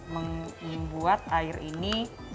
membuat air ini